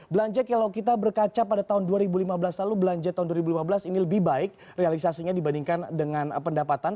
belanja kalau kita berkaca pada tahun dua ribu lima belas lalu belanja tahun dua ribu lima belas ini lebih baik realisasinya dibandingkan dengan pendapatan